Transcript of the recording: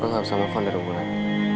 lo gak bisa nelfon dari mulan